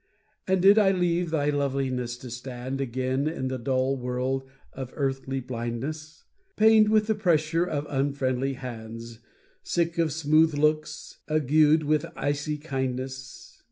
And did I leave thy loveliness, to stand Again in the dull world of earthly blindness? Pained with the pressure of unfriendly hands, Sick of smooth looks, agued with icy kindness?